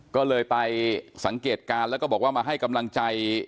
ก็เลยไปสังเกตการณ์แล้วก็บอกว่ามาให้กำลังใจ